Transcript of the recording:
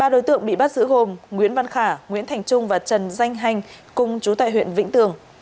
ba đối tượng bị bắt giữ gồm nguyễn văn khả nguyễn thành trung và trần danh hành cùng chú tại huyện vĩnh tường